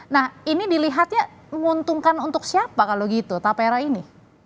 nah ini dilihatnya menguntungkan untuk siapa kalau gitu tapera ini